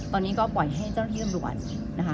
ตอนนี้ก็ปล่อยให้เจ้าที่ตำรวจนะคะ